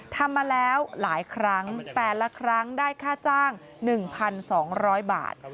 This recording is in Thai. ทำมาแล้วหลายครั้งแต่ละครั้งได้ค่าจ้าง๑๒๐๐บาท